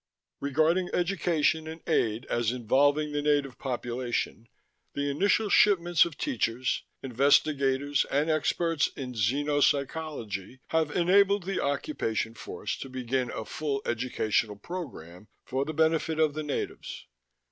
... Regarding education and aid as involving the native population, the initial shipments of teachers, investigators and experts in xenopsychology have enabled the occupation force to begin a full educational program for the benefit of the natives.